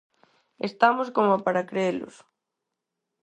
¡Estamos como para crelos!